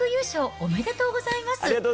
ありがとうございます。